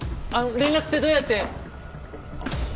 連絡ってどうやって？